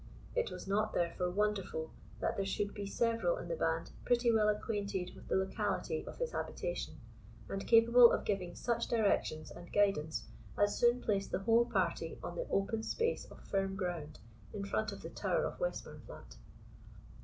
It was not, therefore, wonderful, that there should be several in the band pretty well acquainted with the locality of his habitation, and capable of giving such directions and guidance as soon placed the whole party on the open space of firm ground in front of the Tower of Westburnflat.